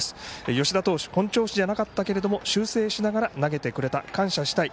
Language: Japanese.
吉田投手本調子じゃなかったけど修正して投げてくれた感謝したい。